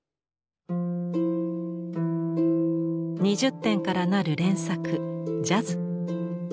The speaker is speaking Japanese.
２０点からなる連作「ジャズ」。